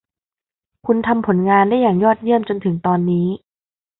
คุณทำผลงานได้อย่างยอดเยี่ยมจนถึงตอนนี้